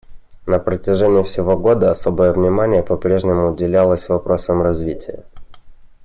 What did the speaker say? На протяжении всего года особое внимание по прежнему уделялось вопросам развития.